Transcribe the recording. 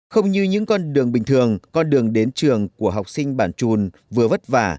không như những con đường bình thường con đường đến trường của học sinh bản trùn vừa vất vả